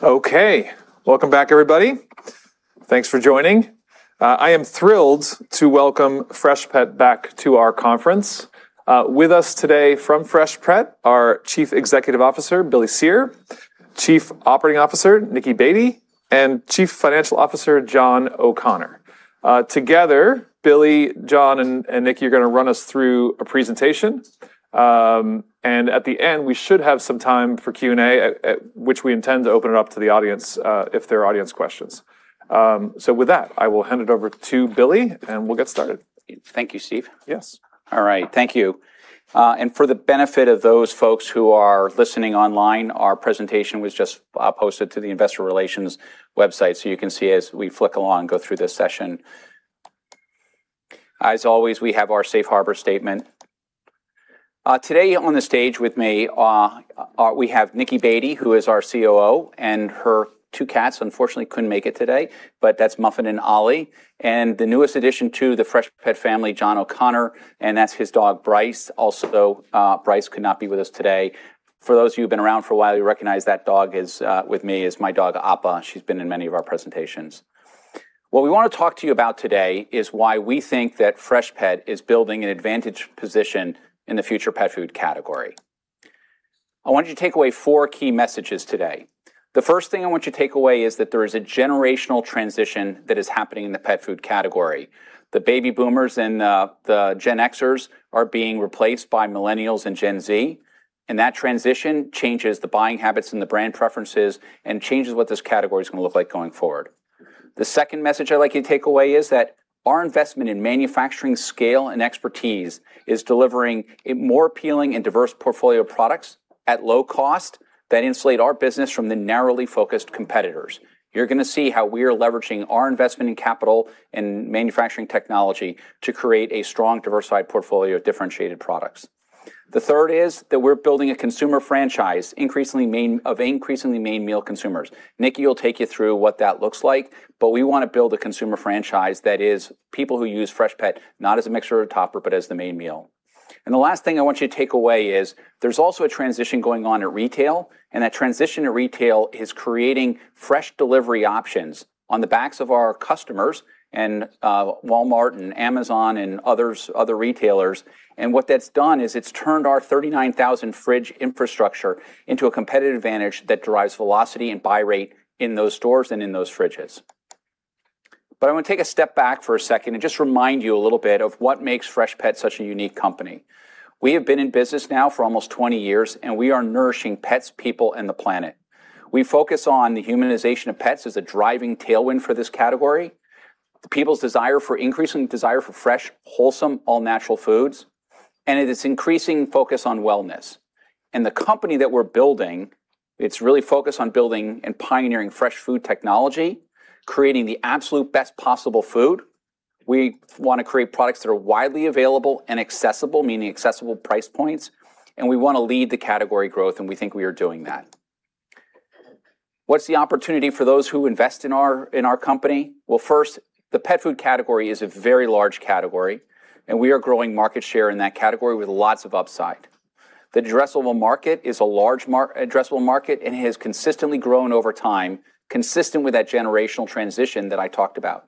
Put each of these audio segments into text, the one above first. Okay. Welcome back, everybody. Thanks for joining. I am thrilled to welcome Freshpet back to our conference. With us today from Freshpet, our Chief Executive Officer, Billy Cyr, Chief Operating Officer, Nicki Baty, and Chief Financial Officer, John O'Connor. Together, Billy, John, and Nicki are going to run us through a presentation. At the end, we should have some time for Q&A, which we intend to open it up to the audience, if there are audience questions. With that, I will hand it over to Billy, and we'll get started. Thank you, Steve. Yes. All right. Thank you. For the benefit of those folks who are listening online, our presentation was just posted to the investor relations website, so you can see as we flick along, go through this session. As always, we have our safe harbor statement. Today on the stage with me, we have Nicki Baty, who is our COO, and her two cats unfortunately couldn't make it today, but that's Muffin and Ollie. The newest addition to the Freshpet family, John O'Connor, and that's his dog, Bryce. Also, Bryce could not be with us today. For those of you who've been around for a while, you recognize that dog with me is my dog, Appa. She's been in many of our presentations. What we want to talk to you about today is why we think that Freshpet is building an advantage position in the future pet food category. I want you to take away four key messages today. The first thing I want you to take away is that there is a generational transition that is happening in the pet food category. The baby boomers and the Gen Xers are being replaced by Millennials and Gen Z, and that transition changes the buying habits and the brand preferences and changes what this category is going to look like going forward. The second message I'd like you to take away is that our investment in manufacturing scale and expertise is delivering a more appealing and diverse portfolio of products at low cost that insulate our business from the narrowly focused competitors. You're going to see how we are leveraging our investment in capital and manufacturing technology to create a strong, diversified portfolio of differentiated products. The third is that we're building a consumer franchise of increasingly main meal consumers. Nicki will take you through what that looks like, but we want to build a consumer franchise that is people who use Freshpet not as a mixer or topper, but as the main meal. The last thing I want you to take away is there's also a transition going on at retail, and that transition at retail is creating fresh delivery options on the backs of our customers and Walmart and Amazon and other retailers. What that's done is it's turned our 39,000 fridge infrastructure into a competitive advantage that drives velocity and buy rate in those stores and in those fridges. I want to take a step back for a second and just remind you a little bit of what makes Freshpet such a unique company. We have been in business now for almost 20 years, and we are nourishing pets, people, and the planet. We focus on the humanization of pets as a driving tailwind for this category, the people's increasing desire for fresh, wholesome, all-natural foods, and it is increasing focus on wellness. The company that we're building, it's really focused on building and pioneering fresh food technology, creating the absolute best possible food. We want to create products that are widely available and accessible, meaning accessible price points, and we want to lead the category growth, and we think we are doing that. What's the opportunity for those who invest in our company? Well, first, the pet food category is a very large category, and we are growing market share in that category with lots of upside. The addressable market is a large addressable market and has consistently grown over time, consistent with that generational transition that I talked about.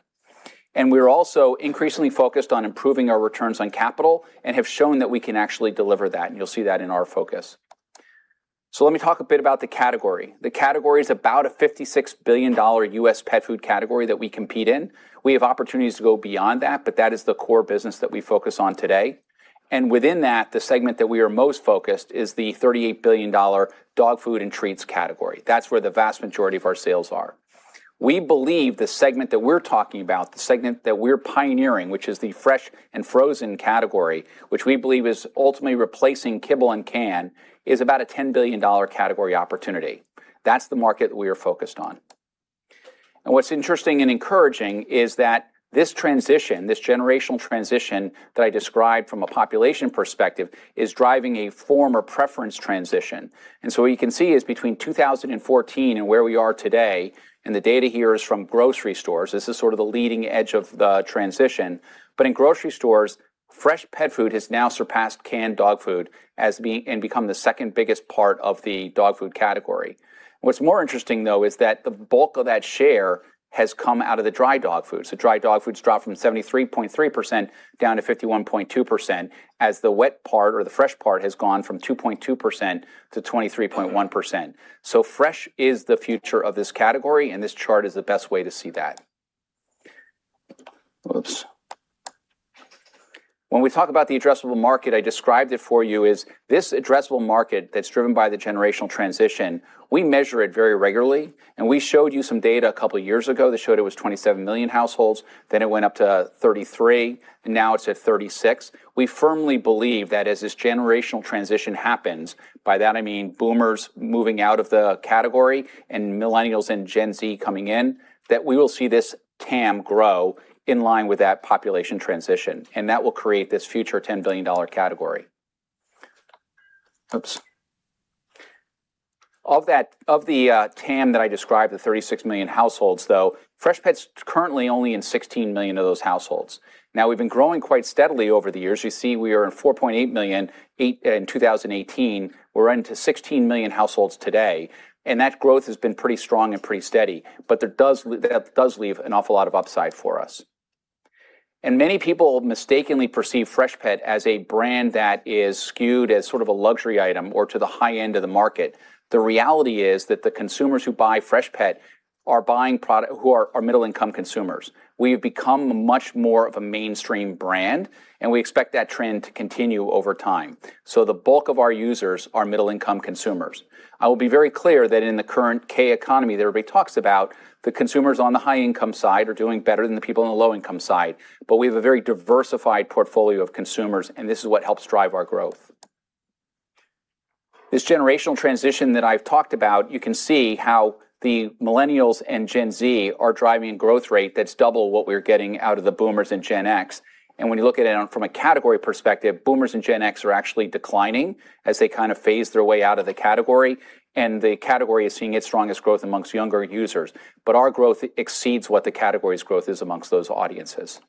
We're also increasingly focused on improving our returns on capital and have shown that we can actually deliver that, and you'll see that in our focus. Let me talk a bit about the category. The category is about a $56 billion U.S. pet food category that we compete in. We have opportunities to go beyond that, but that is the core business that we focus on today. Within that, the segment that we are most focused is the $38 billion dog food and treats category. That's where the vast majority of our sales are. We believe the segment that we're talking about, the segment that we're pioneering, which is the fresh and frozen category, which we believe is ultimately replacing kibble and can, is about a $10 billion category opportunity. That's the market we are focused on. What's interesting and encouraging is that this transition, this generational transition that I described from a population perspective, is driving a form or preference transition. What you can see is between 2014 and where we are today, and the data here is from grocery stores, this is sort of the leading edge of the transition, but in grocery stores, fresh pet food has now surpassed canned dog food and become the second-biggest part of the dog food category. What's more interesting, though, is that the bulk of that share has come out of the dry dog food. Dry dog food's dropped from 73.3% down to 51.2% as the wet part or the fresh part has gone from 2.2% to 23.1%. Fresh is the future of this category, and this chart is the best way to see that. Whoops. When we talk about the addressable market, I described it for you as this addressable market that's driven by the generational transition. We measure it very regularly, and we showed you some data a couple of years ago that showed it was 27 million households, then it went up to 33 million, and now it's at 36 million. We firmly believe that as this generational transition happens, by that I mean Boomers moving out of the category and Millennials and Gen Z coming in, that we will see this TAM grow in line with that population transition, and that will create this future $10 billion category. Oops. Of the TAM that I described, the 36 million households, though, Freshpet's currently only in 16 million of those households. We've been growing quite steadily over the years. You see we are in 4.8 million in 2018. We're into 16 million households today, that growth has been pretty strong and pretty steady, but that does leave an awful lot of upside for us. Many people mistakenly perceive Freshpet as a brand that is skewed as sort of a luxury item, or to the high end of the market. The reality is that the consumers who buy Freshpet are middle-income consumers. We have become much more of a mainstream brand, we expect that trend to continue over time. The bulk of our users are middle-income consumers. I will be very clear that in the current K-economy that everybody talks about, the consumers on the high-income side are doing better than the people on the low-income side. We have a very diversified portfolio of consumers, this is what helps drive our growth. This generational transition that I've talked about, you can see how the Millennials and Gen Z are driving growth rate that's double what we're getting out of the boomers and Gen X. When you look at it from a category perspective, boomers and Gen X are actually declining as they kind of phase their way out of the category, and the category is seeing its strongest growth amongst younger users. Our growth exceeds what the category's growth is amongst those audiences.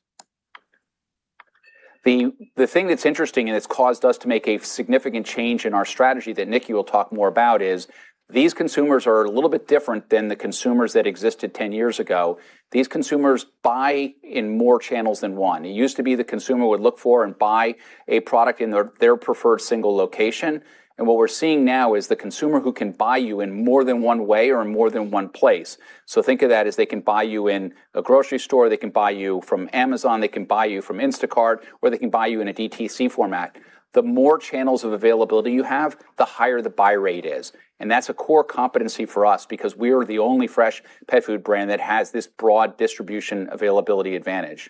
The thing that's interesting, and it's caused us to make a significant change in our strategy that Nicki will talk more about, is these consumers are a little bit different than the consumers that existed 10 years ago. These consumers buy in more channels than one. It used to be the consumer would look for and buy a product in their preferred single location. What we're seeing now is the consumer who can buy you in more than one way or in more than one place. Think of that as they can buy you in a grocery store, they can buy you from Amazon, they can buy you from Instacart, or they can buy you in a DTC format. The more channels of availability you have, the higher the buy rate is, and that's a core competency for us because we are the only Freshpet food brand that has this broad distribution availability advantage.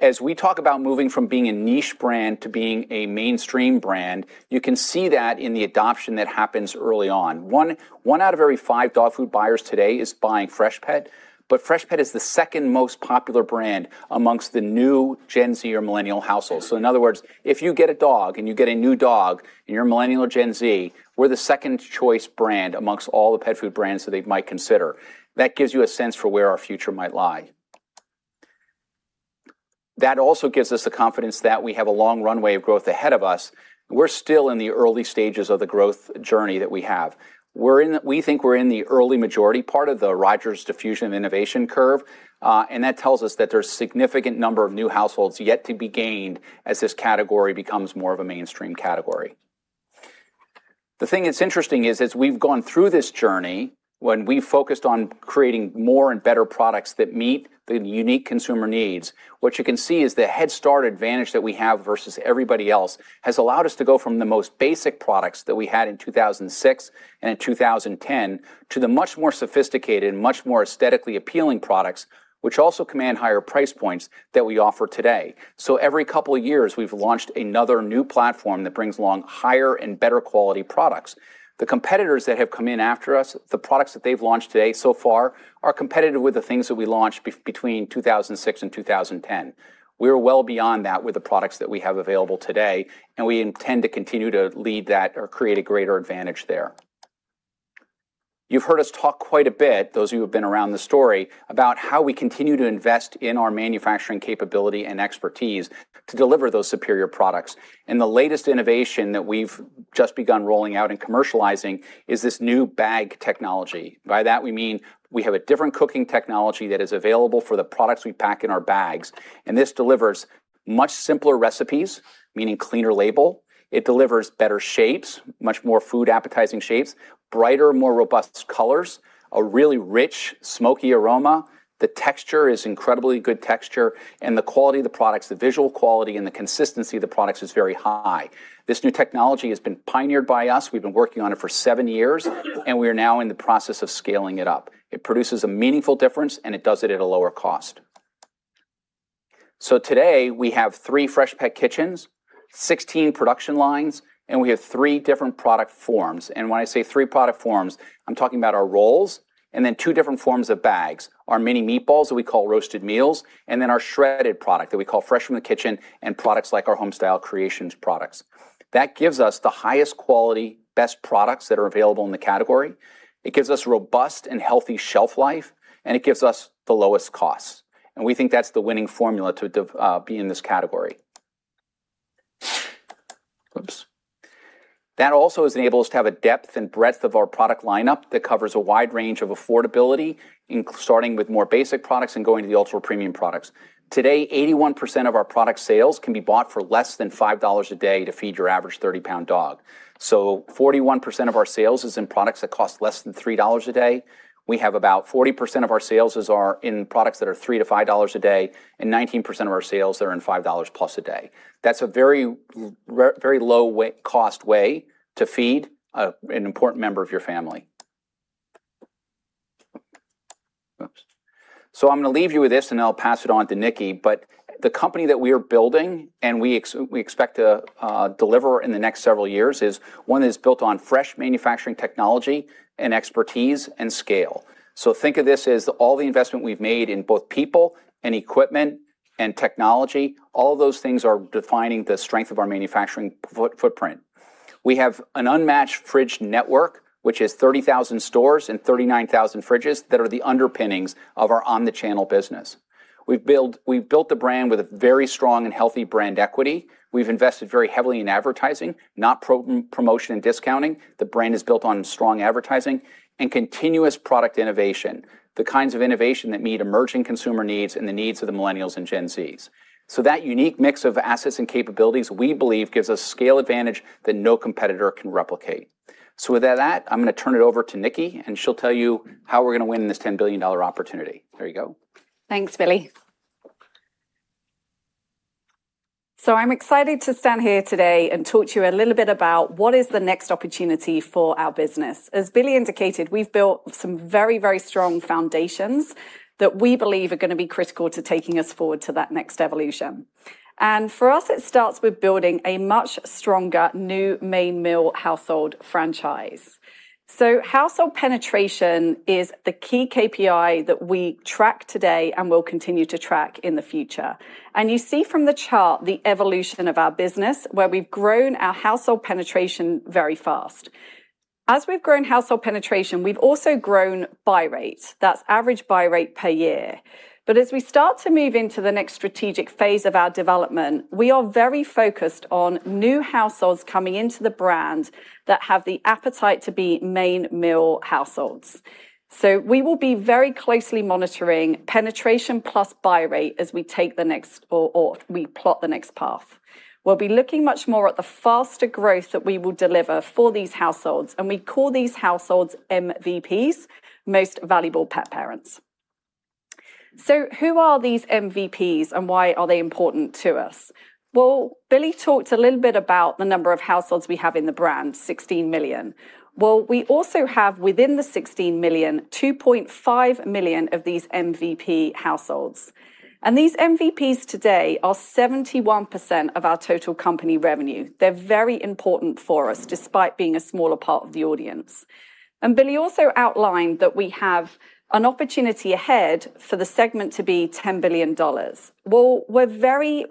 As we talk about moving from being a niche brand to being a mainstream brand, you can see that in the adoption that happens early on. One out of every five dog food buyers today is buying Freshpet, but Freshpet is the second most popular brand amongst the new Gen Z or Millennial households. In other words, if you get a dog and you get a new dog and you're a Millennial or Gen Z, we're the second-choice brand amongst all the pet food brands that they might consider. That gives you a sense for where our future might lie. That also gives us the confidence that we have a long runway of growth ahead of us. We're still in the early stages of the growth journey that we have. We think we're in the early majority part of the Rogers' diffusion of innovation curve, and that tells us that there's significant number of new households yet to be gained as this category becomes more of a mainstream category. The thing that's interesting is, as we've gone through this journey, when we focused on creating more and better products that meet the unique consumer needs, what you can see is the headstart advantage that we have versus everybody else has allowed us to go from the most basic products that we had in 2006 and in 2010 to the much more sophisticated and much more aesthetically appealing products, which also command higher price points, that we offer today. Every couple of years, we've launched another new platform that brings along higher and better quality products. The competitors that have come in after us, the products that they've launched today so far are competitive with the things that we launched between 2006 and 2010. We are well beyond that with the products that we have available today, and we intend to continue to lead that or create a greater advantage there. You've heard us talk quite a bit, those of you who've been around the story, about how we continue to invest in our manufacturing capability and expertise to deliver those superior products, and the latest innovation that we've just begun rolling out and commercializing is this new bag technology. By that, we mean we have a different cooking technology that is available for the products we pack in our bags, and this delivers much simpler recipes, meaning cleaner label. It delivers better shapes, much more food-appetizing shapes, brighter, more robust colors, a really rich, smoky aroma. The texture is incredibly good texture, and the quality of the products, the visual quality and the consistency of the products is very high. This new technology has been pioneered by us. We've been working on it for seven years, and we are now in the process of scaling it up. It produces a meaningful difference, and it does it at a lower cost. Today, we have three Freshpet kitchens, 16 production lines, and we have three different product forms. When I say three product forms, I'm talking about our rolls, and then two different forms of bags, our mini meatballs that we call Roasted Meals, and then our shredded product that we call Fresh From The Kitchen and products like our Homestyle Creations products. That gives us the highest quality, best products that are available in the category, it gives us robust and healthy shelf life, and it gives us the lowest costs, and we think that's the winning formula to be in this category. Oops. That also has enabled us to have a depth and breadth of our product lineup that covers a wide range of affordability, starting with more basic products and going to the ultra-premium products. Today, 81% of our product sales can be bought for less than $5 a day to feed your average 30 lbs dog. 41% of our sales is in products that cost less than $3 a day. We have about 40% of our sales are in products that are $3-$5 a day, and 19% of our sales are in $5+ a day. That's a very low-cost way to feed an important member of your family. Oops. I'm going to leave you with this, and then I'll pass it on to Nicki. The company that we are building and we expect to deliver in the next several years is one that's built on fresh manufacturing technology and expertise and scale. Think of this as all the investment we've made in both people and equipment and technology. All of those things are defining the strength of our manufacturing footprint. We have an unmatched fridge network, which is 30,000 stores and 39,000 fridges that are the underpinnings of our omni-channel business. We've built a brand with a very strong and healthy brand equity. We've invested very heavily in advertising, not promotion and discounting. The brand is built on strong advertising and continuous product innovation, the kinds of innovation that meet emerging consumer needs and the needs of the Millennials and Gen Zs. That unique mix of assets and capabilities, we believe, gives us scale advantage that no competitor can replicate. With that, I'm going to turn it over to Nicki, and she'll tell you how we're going to win this $10 billion opportunity. There you go. Thanks, Billy. I'm excited to stand here today and talk to you a little bit about what is the next opportunity for our business. As Billy indicated, we've built some very, very strong foundations that we believe are going to be critical to taking us forward to that next evolution. For us, it starts with building a much stronger new main meal household franchise. Household penetration is the key KPI that we track today and will continue to track in the future. You see from the chart the evolution of our business, where we've grown our household penetration very fast. As we've grown household penetration, we've also grown buy rate. That's average buy rate per year. As we start to move into the next strategic phase of our development, we are very focused on new households coming into the brand that have the appetite to be main meal households. We will be very closely monitoring penetration plus buy rate as we plot the next path. We'll be looking much more at the faster growth that we will deliver for these households, and we call these households MVPs, most valuable pet parents. Who are these MVPs, and why are they important to us? Well, Billy talked a little bit about the number of households we have in the brand, 16 million. Well, we also have, within the 16 million, 2.5 million of these MVP households. These MVPs today are 71% of our total company revenue. They're very important for us, despite being a smaller part of the audience. Billy also outlined that we have an opportunity ahead for the segment to be $10 billion. Well, we're very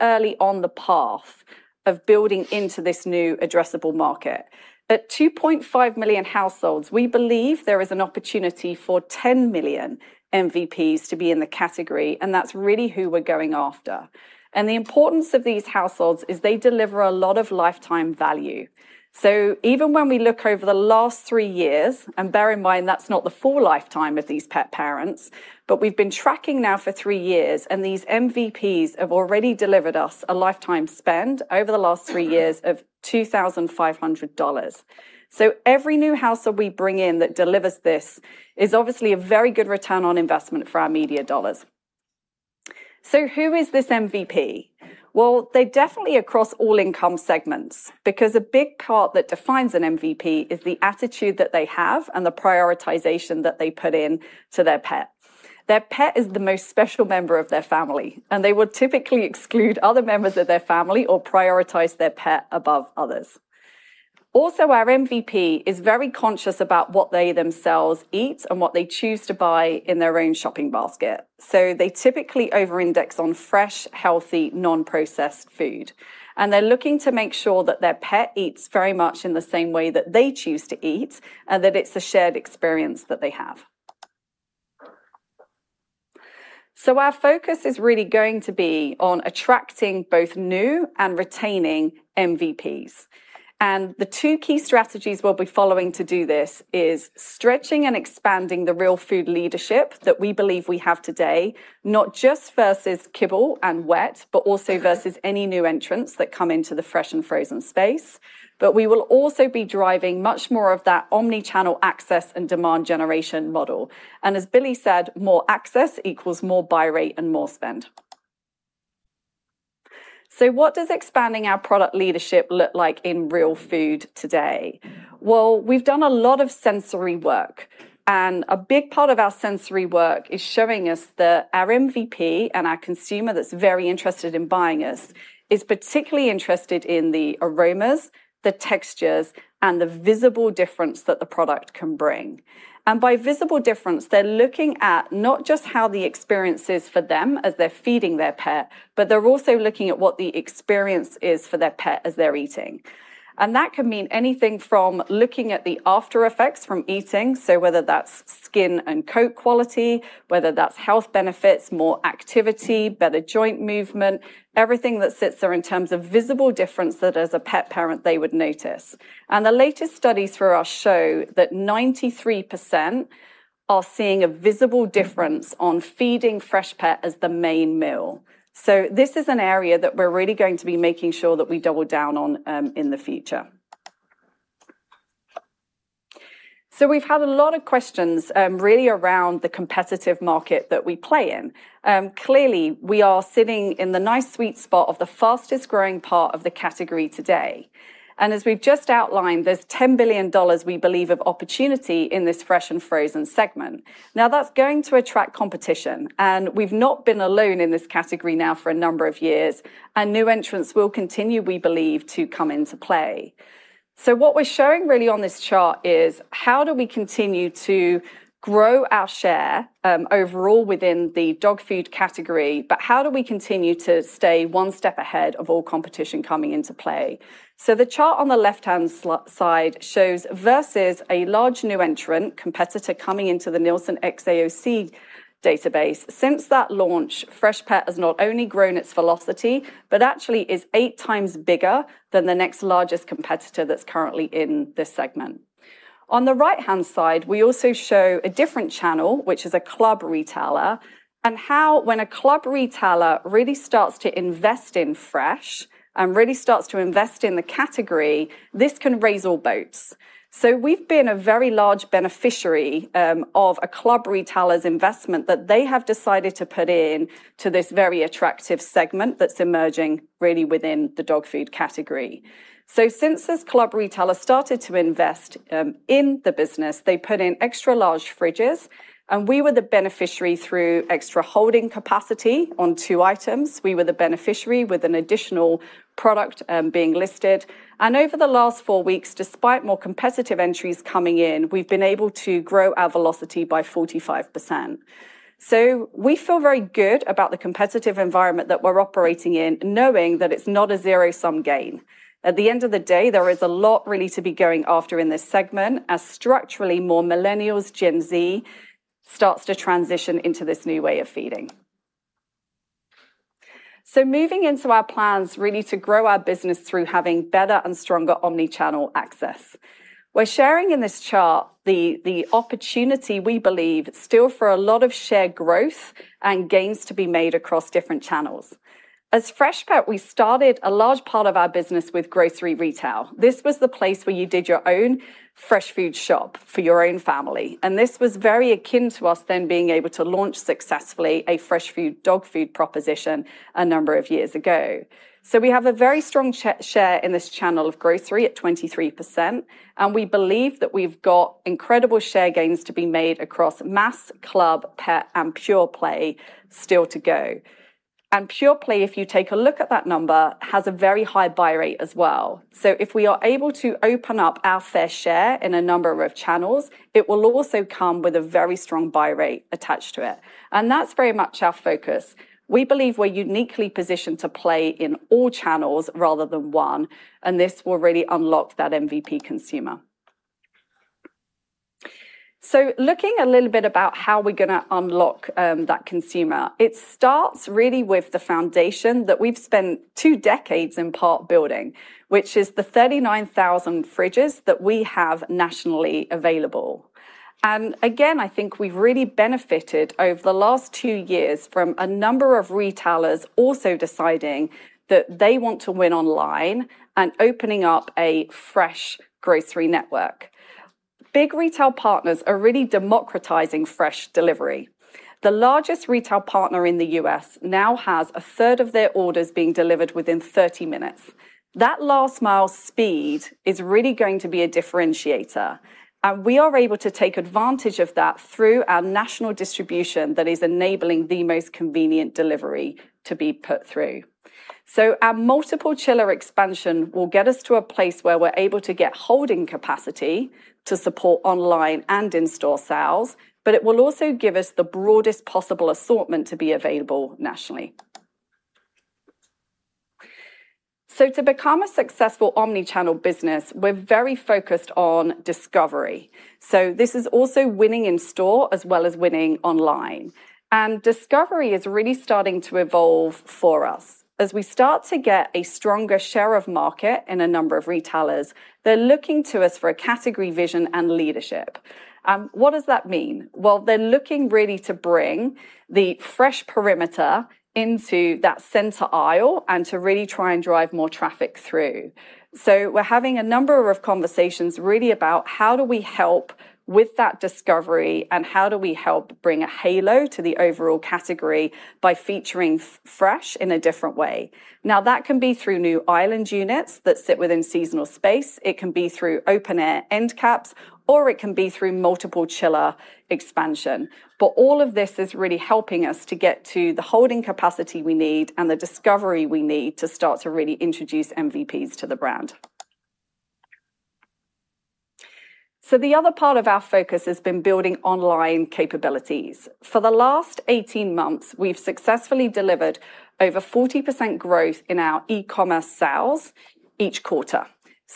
early on the path of building into this new addressable market. At 2.5 million households, we believe there is an opportunity for 10 million MVPs to be in the category, and that's really who we're going after. The importance of these households is they deliver a lot of lifetime value. Even when we look over the last three years, and bear in mind, that's not the full lifetime of these pet parents, but we've been tracking now for three years, and these MVPs have already delivered us a lifetime spend over the last three years of $2,500. Every new household we bring in that delivers this is obviously a very good ROI for our media dollars. Who is this MVP? Well, they're definitely across all income segments because a big part that defines an MVP is the attitude that they have and the prioritization that they put in to their pet. Their pet is the most special member of their family, and they would typically exclude other members of their family or prioritize their pet above others. Also, our MVP is very conscious about what they themselves eat and what they choose to buy in their own shopping basket. They typically over-index on fresh, healthy, non-processed food, and they're looking to make sure that their pet eats very much in the same way that they choose to eat, and that it's a shared experience that they have. Our focus is really going to be on attracting both new and retaining MVPs. The two key strategies we'll be following to do this is stretching and expanding the real food leadership that we believe we have today, not just versus kibble and wet, but also versus any new entrants that come into the fresh and frozen space. We will also be driving much more of that omni-channel access and demand generation model. As Billy said, more access equals more buy rate and more spend. What does expanding our product leadership look like in real food today? We've done a lot of sensory work, and a big part of our sensory work is showing us that our MVP and our consumer that's very interested in buying us is particularly interested in the aromas, the textures, and the visible difference that the product can bring. By visible difference, they're looking at not just how the experience is for them as they're feeding their pet, but they're also looking at what the experience is for their pet as they're eating. That can mean anything from looking at the after effects from eating, so whether that's skin and coat quality, whether that's health benefits, more activity, better joint movement, everything that sits there in terms of visible difference that as a pet parent, they would notice. The latest studies for us show that 93% are seeing a visible difference on feeding Freshpet as the main meal. This is an area that we're really going to be making sure that we double down on in the future. We've had a lot of questions, really around the competitive market that we play in. Clearly, we are sitting in the nice sweet spot of the fastest-growing part of the category today. As we've just outlined, there's $10 billion, we believe, of opportunity in this fresh and frozen segment. That's going to attract competition, we've not been alone in this category now for a number of years, new entrants will continue, we believe, to come into play. What we're showing really on this chart is how do we continue to grow our share, overall, within the dog food category, but how do we continue to stay one step ahead of all competition coming into play? The chart on the left-hand side shows versus a large new entrant competitor coming into the Nielsen XAOC database. Since that launch, Freshpet has not only grown its velocity, but actually is eight times bigger than the next largest competitor that's currently in this segment. On the right-hand side, we also show a different channel, which is a club retailer, and how when a club retailer really starts to invest in fresh and really starts to invest in the category, this can raise all boats. We've been a very large beneficiary of a club retailer's investment that they have decided to put in to this very attractive segment that's emerging really within the dog food category. Since this club retailer started to invest in the business, they put in extra-large fridges, and we were the beneficiary through extra holding capacity on two items. We were the beneficiary with an additional product being listed. Over the last four weeks, despite more competitive entries coming in, we've been able to grow our velocity by 45%. We feel very good about the competitive environment that we're operating in, knowing that it's not a zero-sum game. At the end of the day, there is a lot really to be going after in this segment as structurally more Millennials, Gen Z starts to transition into this new way of feeding. Moving into our plans really to grow our business through having better and stronger omni-channel access. We're sharing in this chart the opportunity we believe still for a lot of shared growth and gains to be made across different channels. As Freshpet, we started a large part of our business with grocery retail. This was the place where you did your own fresh food shop for your own family, and this was very akin to us then being able to launch successfully a fresh food dog food proposition a number of years ago. We have a very strong share in this channel of grocery at 23%, and we believe that we've got incredible share gains to be made across mass, club, pet, and pure play still to go. Pure play, if you take a look at that number, has a very high buy rate as well. If we are able to open up our fair share in a number of channels, it will also come with a very strong buy rate attached to it, and that's very much our focus. We believe we're uniquely positioned to play in all channels rather than one, this will really unlock that MVP consumer. Looking a little bit about how we're going to unlock that consumer, it starts really with the foundation that we've spent two decades in part building, which is the 39,000 fridges that we have nationally available. Again, I think we've really benefited over the last two years from a number of retailers also deciding that they want to win online and opening up a fresh grocery network. Big retail partners are really democratizing fresh delivery. The largest retail partner in the U.S. now has a third of their orders being delivered within 30 minutes. That last mile speed is really going to be a differentiator. We are able to take advantage of that through our national distribution that is enabling the most convenient delivery to be put through. Our multiple chiller expansion will get us to a place where we're able to get holding capacity to support online and in-store sales, but it will also give us the broadest possible assortment to be available nationally. To become a successful omni-channel business, we're very focused on discovery. This is also winning in store as well as winning online. Discovery is really starting to evolve for us. As we start to get a stronger share of market in a number of retailers, they're looking to us for a category vision and leadership. What does that mean? Well, they're looking really to bring the fresh perimeter into that center aisle and to really try and drive more traffic through. We're having a number of conversations really about how do we help with that discovery and how do we help bring a halo to the overall category by featuring fresh in a different way. Now, that can be through new island units that sit within seasonal space, it can be through open-air end caps, or it can be through multiple chiller expansion. All of this is really helping us to get to the holding capacity we need and the discovery we need to start to really introduce MVPs to the brand. The other part of our focus has been building online capabilities. For the last 18 months, we've successfully delivered over 40% growth in our e-commerce sales each quarter.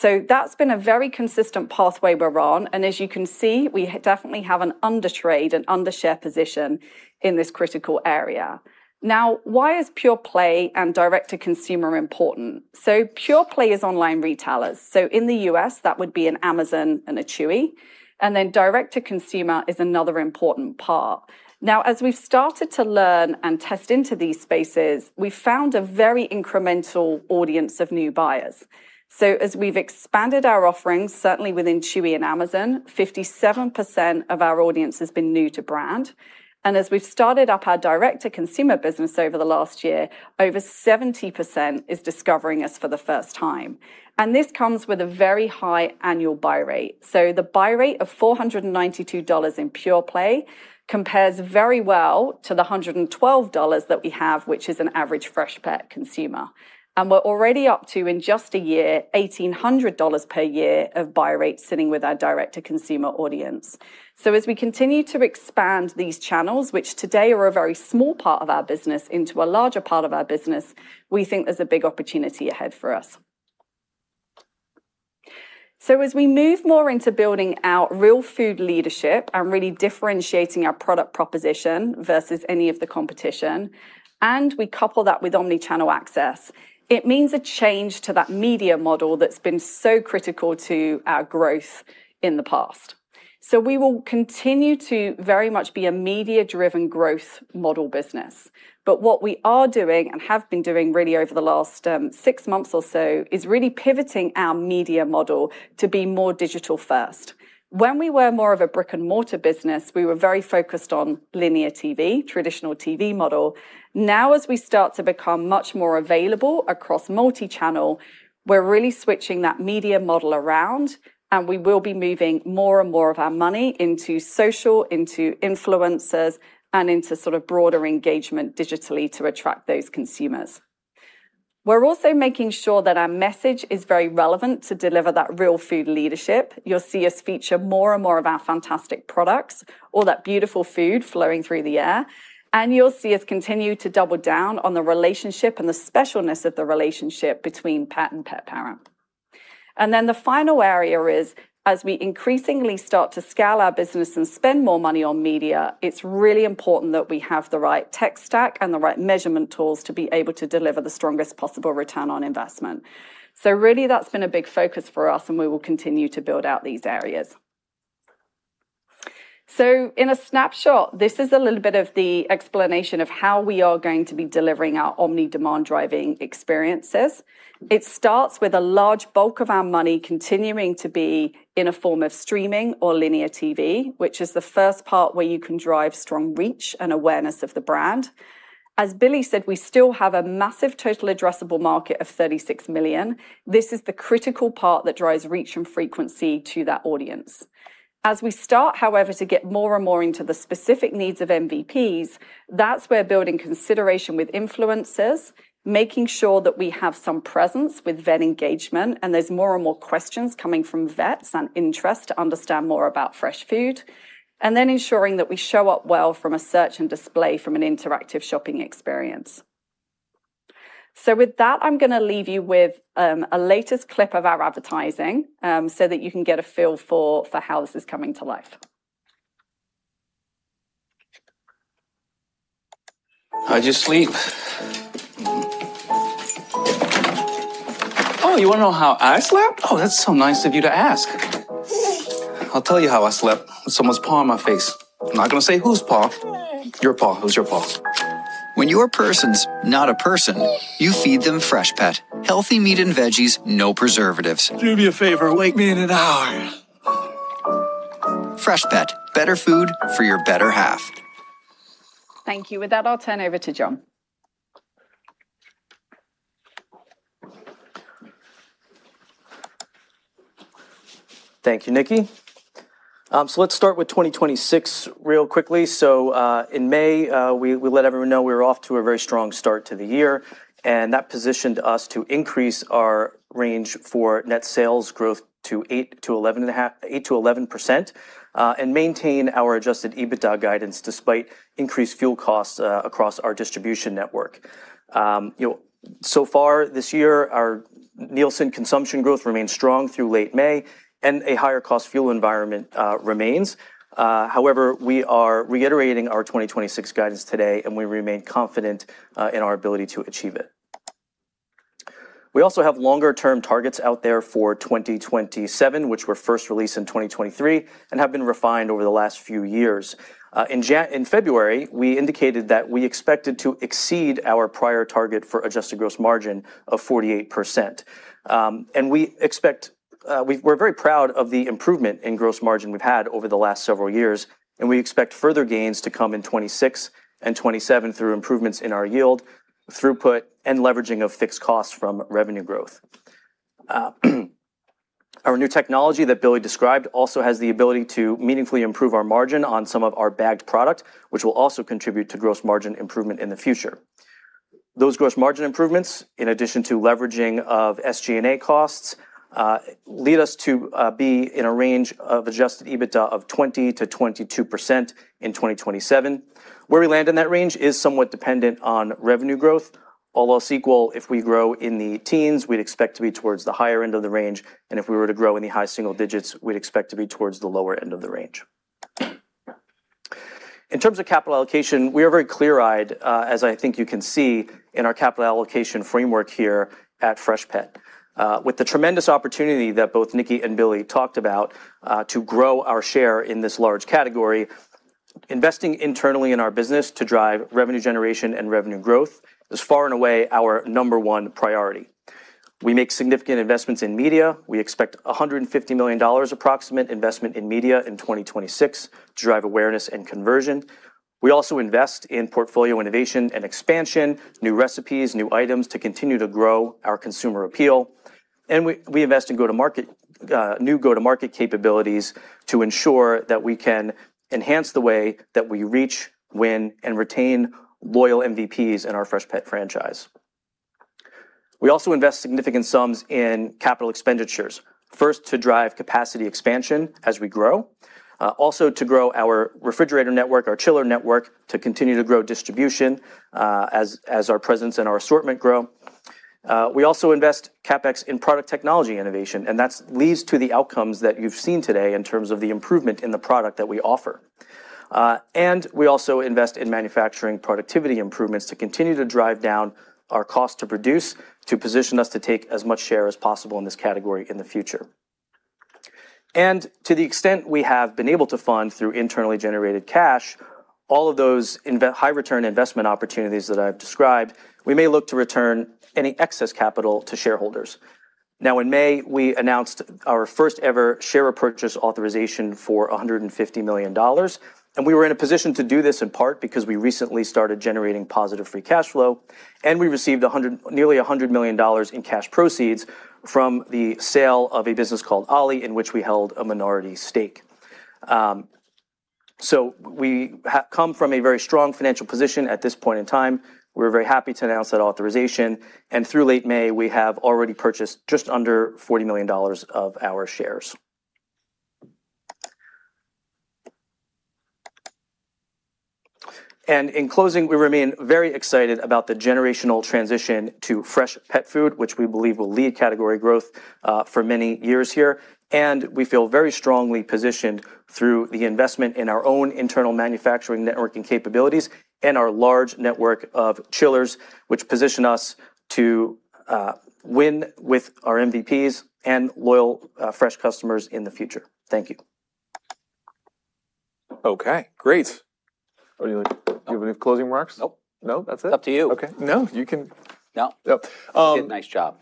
That's been a very consistent pathway we're on, and as you can see, we definitely have an under-trade and under-share position in this critical area. Why is Pure Play and direct-to-consumer important? Pure Play is online retailers, in the U.S., that would be an Amazon and a Chewy, direct-to-consumer is another important part. As we've started to learn and test into these spaces, we found a very incremental audience of new buyers. As we've expanded our offerings, certainly within Chewy and Amazon, 57% of our audience has been new to brand. As we've started up our direct-to-consumer business over the last year, over 70% is discovering us for the first time. This comes with a very high annual buy rate. The buy rate of $492 in Pure Play compares very well to the $112 that we have, which is an average Freshpet consumer. We're already up to, in just a year, $1,800 per year of buy rate sitting with our direct-to-consumer audience. As we continue to expand these channels, which today are a very small part of our business into a larger part of our business, we think there's a big opportunity ahead for us. As we move more into building out real food leadership and really differentiating our product proposition versus any of the competition, and we couple that with omni-channel access, it means a change to that media model that's been so critical to our growth in the past. We will continue to very much be a media-driven growth model business. What we are doing and have been doing really over the last six months or so, is really pivoting our media model to be more digital first. When we were more of a brick-and-mortar business, we were very focused on linear TV, traditional TV model. As we start to become much more available across multi-channel, we're really switching that media model around, we will be moving more and more of our money into social, into influencers, and into sort of broader engagement digitally to attract those consumers. We're also making sure that our message is very relevant to deliver that real food leadership. You'll see us feature more and more of our fantastic products, all that beautiful food flowing through the air. You'll see us continue to double down on the relationship and the specialness of the relationship between pet and pet parent. The final area is, as we increasingly start to scale our business and spend more money on media, it's really important that we have the right tech stack and the right measurement tools to be able to deliver the strongest possible return on investment. Really, that's been a big focus for us, and we will continue to build out these areas. In a snapshot, this is a little bit of the explanation of how we are going to be delivering our omni-demand-driving experiences. It starts with a large bulk of our money continuing to be in a form of streaming or linear TV, which is the first part where you can drive strong reach and awareness of the brand. As Billy said, we still have a massive total addressable market of 36 million. This is the critical part that drives reach and frequency to that audience. As we start, however, to get more and more into the specific needs of MVPs, that's where building consideration with influencers, making sure that we have some presence with vet engagement, and there's more and more questions coming from vets, and interest to understand more about fresh food. Ensuring that we show up well from a search and display from an interactive shopping experience. With that, I'm going to leave you with a latest clip of our advertising, so that you can get a feel for how this is coming to life. How'd you sleep? Oh, you want to know how I slept? Oh, that's so nice of you to ask. I'll tell you how I slept. With someone's paw in my face. I'm not going to say whose paw. Your paw. It was your paw. When your person's not a person, you feed them Freshpet. Healthy meat and veggies, no preservatives. Do me a favor, wake me in an hour. Freshpet. Better food for your better half. Thank you. With that, I'll turn over to John. Thank you, Nicki. Let's start with 2026 real quickly. In May, we let everyone know we were off to a very strong start to the year, and that positioned us to increase our range for net sales growth to 8%-11%, and maintain our Adjusted EBITDA guidance despite increased fuel costs across our distribution network. So far this year, our Nielsen consumption growth remains strong through late May and a higher-cost fuel environment remains. However, we are reiterating our 2026 guidance today, and we remain confident in our ability to achieve it. We also have longer-term targets out there for 2027, which were first released in 2023 and have been refined over the last few years. In February, we indicated that we expected to exceed our prior target for adjusted gross margin of 48%. We're very proud of the improvement in gross margin we've had over the last several years, and we expect further gains to come in 2026 and 2027 through improvements in our yield, throughput, and leveraging of fixed costs from revenue growth. Our new technology that Billy described also has the ability to meaningfully improve our margin on some of our bagged product, which will also contribute to gross margin improvement in the future. Those gross margin improvements, in addition to leveraging of SG&A costs, lead us to be in a range of Adjusted EBITDA of 20%-22% in 2027. Where we land in that range is somewhat dependent on revenue growth. All else equal, if we grow in the teens, we'd expect to be towards the higher end of the range, and if we were to grow in the high single digits, we'd expect to be towards the lower end of the range. In terms of capital allocation, we are very clear-eyed, as I think you can see in our capital allocation framework here at Freshpet. With the tremendous opportunity that both Nicki and Billy talked about, to grow our share in this large category, investing internally in our business to drive revenue generation and revenue growth is far and away our number one priority. We make significant investments in media. We expect $150 million approximate investment in media in 2026 to drive awareness and conversion. We also invest in portfolio innovation and expansion, new recipes, new items to continue to grow our consumer appeal. We invest in new go-to-market capabilities to ensure that we can enhance the way that we reach, win, and retain loyal MVPs in our Freshpet franchise. We also invest significant sums in capital expenditures. First, to drive capacity expansion as we grow. Also to grow our refrigerator network, our chiller network, to continue to grow distribution, as our presence and our assortment grow. We also invest CapEx in product technology innovation, and that leads to the outcomes that you've seen today in terms of the improvement in the product that we offer. We also invest in manufacturing productivity improvements to continue to drive down our cost to produce, to position us to take as much share as possible in this category in the future. To the extent we have been able to fund, through internally generated cash, all of those high-return investment opportunities that I've described, we may look to return any excess capital to shareholders. Now, in May, we announced our first ever share repurchase authorization for $150 million, and we were in a position to do this in part because we recently started generating positive free cash flow, and we received nearly $100 million in cash proceeds from the sale of a business called Ollie, in which we held a minority stake. We come from a very strong financial position at this point in time. We're very happy to announce that authorization, and through late May, we have already purchased just under $40 million of our shares. In closing, we remain very excited about the generational transition to fresh pet food, which we believe will lead category growth for many years here. We feel very strongly positioned through the investment in our own internal manufacturing networking capabilities and our large network of chillers, which position us to win with our MVPs and loyal fresh customers in the future. Thank you. Okay, great. Do you have any closing remarks? Nope. No, that's it? It's up to you. Okay. No, you can- No. No. You did a nice job.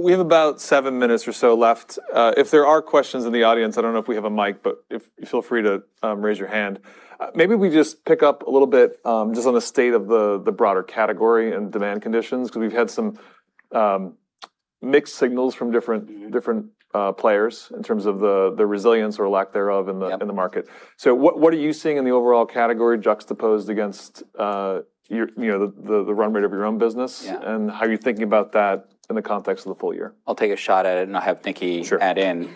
We have about seven minutes or so left. If there are questions in the audience, I don't know if we have a mic, but feel free to raise your hand. Maybe we just pick up a little bit, just on the state of the broader category and demand conditions, because we've had some mixed signals from different- players in terms of the resilience or lack thereof in the market. Yep. What are you seeing in the overall category juxtaposed against the run rate of your own business? Yeah. How are you thinking about that in the context of the full year? I'll take a shot at it and I'll have Nicki- Sure add in.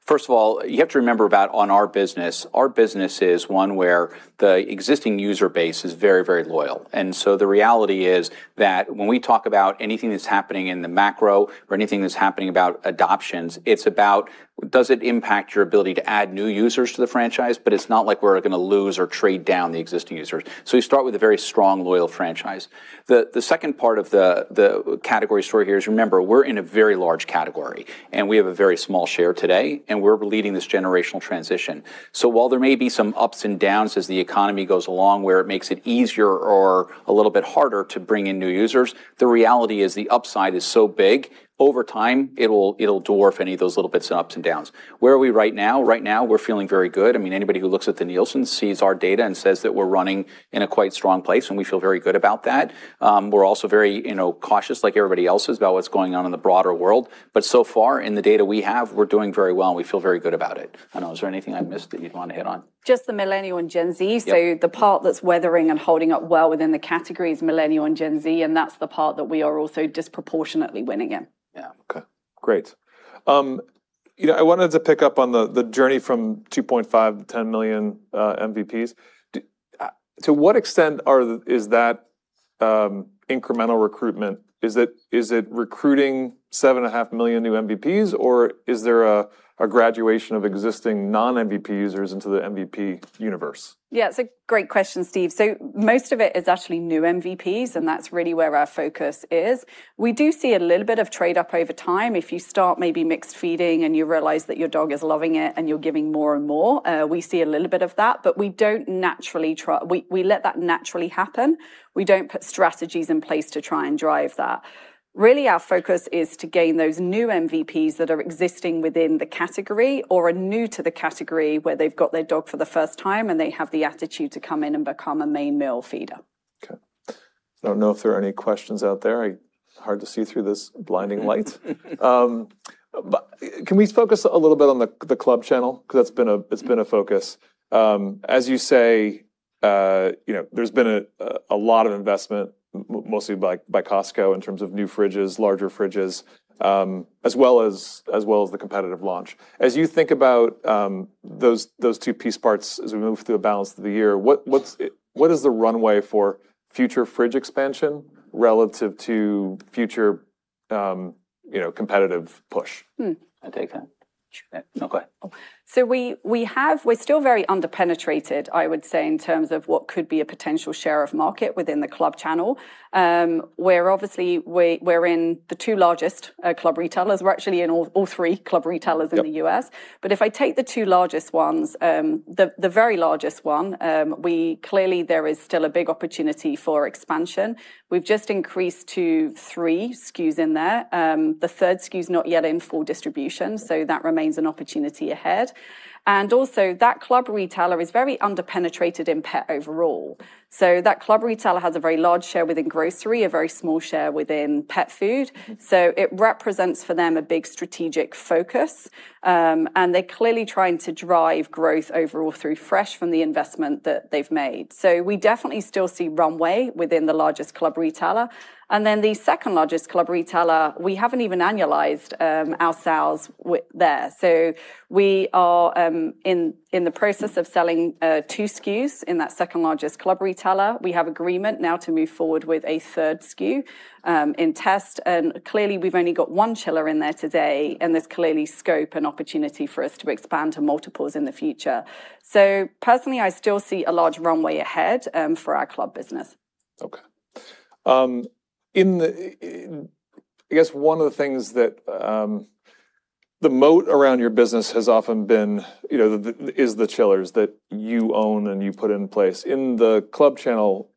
First of all, you have to remember about on our business, our business is one where the existing user base is very loyal. The reality is that when we talk about anything that's happening in the macro or anything that's happening about adoptions, it's about does it impact your ability to add new users to the franchise, but it's not like we're going to lose or trade down the existing users. You start with a very strong, loyal franchise. The second part of the category story here is, remember, we're in a very large category, and we have a very small share today, and we're leading this generational transition. While there may be some ups and downs as the economy goes along, where it makes it easier or a little bit harder to bring in new users, the reality is the upside is so big, over time, it'll dwarf any of those little bits and ups and downs. Where are we right now? Right now, we're feeling very good. Anybody who looks at the Nielsen sees our data and says that we're running in a quite strong place, and we feel very good about that. We're also very cautious, like everybody else is, about what's going on in the broader world. So far, in the data we have, we're doing very well, and we feel very good about it. I don't know, is there anything I missed that you'd want to hit on? Just the Millennial and Gen Z. Yep. The part that's weathering and holding up well within the category is Millennial and Gen Z, and that's the part that we are also disproportionately winning in. Yeah. Okay, great. I wanted to pick up on the journey from 2.5 million to 10 million MVPs. To what extent is that incremental recruitment? Is it recruiting 7.5 million new MVPs, or is there a graduation of existing non-MVP users into the MVP universe? Yeah, it's a great question, Steve. Most of it is actually new MVPs, and that's really where our focus is. We do see a little bit of trade-up over time. If you start maybe mixed feeding and you realize that your dog is loving it and you're giving more and more, we see a little bit of that, but we let that naturally happen. We don't put strategies in place to try and drive that. Really, our focus is to gain those new MVPs that are existing within the category or are new to the category, where they've got their dog for the first time, and they have the attitude to come in and become a main meal feeder. Okay. I don't know if there are any questions out there. Hard to see through this blinding light. Can we focus a little bit on the club channel? Because it's been a focus. As you say, there's been a lot of investment, mostly by Costco, in terms of new fridges, larger fridges, as well as the competitive launch. As you think about those two-piece parts as we move through the balance of the year, what is the runway for future fridge expansion relative to future competitive push? I take that? Yeah. No, go ahead. We're still very under-penetrated, I would say, in terms of what could be a potential share of market within the club channel, where obviously we're in the two largest club retailers. We're actually in all three club retailers in the U.S. Yep. If I take the two largest ones, the very largest one, clearly there is still a big opportunity for expansion. We've just increased to 3 SKUs in there. The third SKU's not yet in full distribution, that remains an opportunity ahead. Also, that club retailer is very under-penetrated in pet overall. That club retailer has a very large share within grocery, a very small share within pet food. It represents, for them, a big strategic focus. They're clearly trying to drive growth overall through fresh from the investment that they've made. We definitely still see runway within the largest club retailer. Then the second-largest club retailer, we haven't even annualized our sales there. We are in the process of selling 2 SKUs in that second-largest club retailer. We have agreement now to move forward with a third SKU in test. Clearly, we've only got one chiller in there today, and there's clearly scope and opportunity for us to expand to multiples in the future. Personally, I still see a large runway ahead for our club business. Okay. I guess one of the things that the moat around your business has often been is the chillers that you own and you put in place. In the club channel,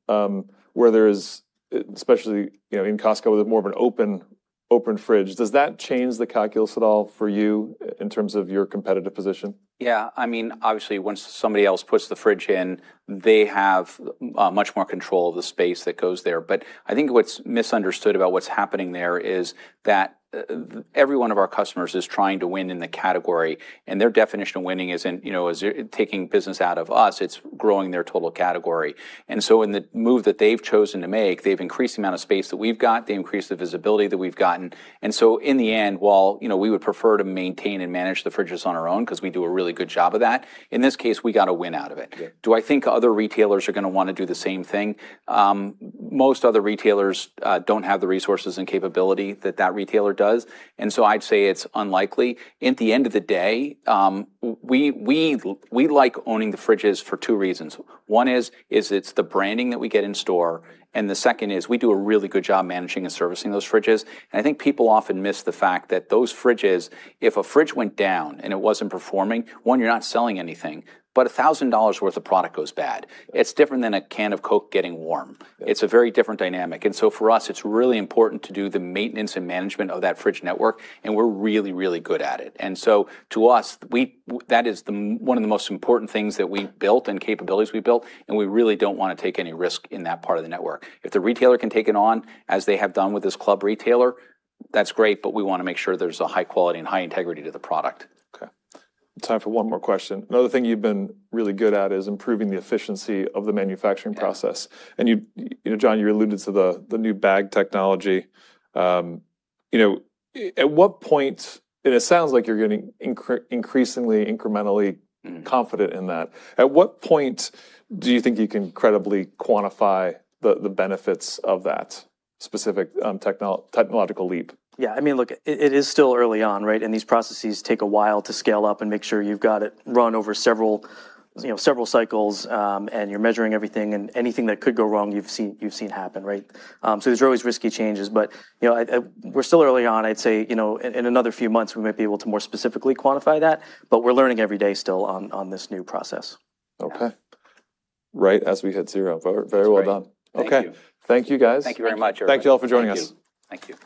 where there's, especially in Costco, with more of an open fridge, does that change the calculus at all for you in terms of your competitive position? Yeah. Obviously, once somebody else puts the fridge in, they have much more control of the space that goes there. I think what's misunderstood about what's happening there is that every one of our customers is trying to win in the category, and their definition of winning isn't taking business out of us, it's growing their total category. In the move that they've chosen to make, they've increased the amount of space that we've got, they increased the visibility that we've gotten. In the end, while we would prefer to maintain and manage the fridges on our own because we do a really good job of that, in this case, we got a win out of it. Yeah. Do I think other retailers are going to want to do the same thing? Most other retailers don't have the resources and capability that that retailer does. I'd say it's unlikely. At the end of the day, we like owning the fridges for two reasons. One is it's the branding that we get in store, and the second is we do a really good job managing and servicing those fridges. I think people often miss the fact that those fridges, if a fridge went down and it wasn't performing, one, you're not selling anything, but $1,000 worth of product goes bad. Yeah. It's different than a can of Coke getting warm. Yeah. It's a very different dynamic. For us, it's really important to do the maintenance and management of that fridge network, and we're really good at it. To us, that is one of the most important things that we've built and capabilities we've built, and we really don't want to take any risk in that part of the network. If the retailer can take it on, as they have done with this club retailer, that's great, but we want to make sure there's a high quality and high integrity to the product. Time for one more question. Another thing you've been really good at is improving the efficiency of the manufacturing process. Yeah. You, John, alluded to the new bag technology. At what point, and it sounds like you're getting increasingly incrementally confident in that, at what point do you think you can credibly quantify the benefits of that specific technological leap? Yeah. Look, it is still early on, right? These processes take a while to scale up and make sure you've got it run over several cycles, and you're measuring everything, and anything that could go wrong you've seen happen, right? There's always risky changes. We're still early on. I'd say in another few months we might be able to more specifically quantify that, but we're learning every day still on this new process. Okay. Right as we hit zero. Very well done. That's great. Thank you. Okay. Thank you, guys. Thank you very much, everyone. Thank you all for joining us. Thank you. Thank you.